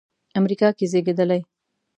امریکا کې زېږېدلی.